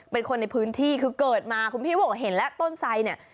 เป็นคนในพื้นที่คือเกิดมาคุณพี่ก็บอกเห็นแล้วต้นไสเนี่ย